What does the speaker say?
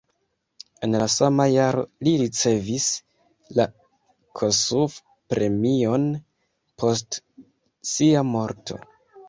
En la sama jaro li ricevis la Kossuth-premion post sia morto.